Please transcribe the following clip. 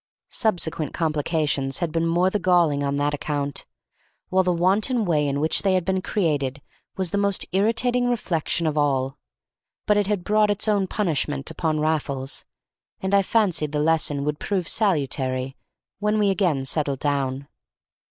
Subsequent complications had been the more galling on that account, while the wanton way in which they had been created was the most irritating reflection of all. But it had brought its own punishment upon Raffles, and I fancied the lesson would prove salutary when we again settled down.